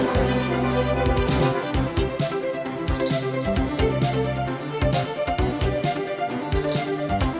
hẹn gặp lại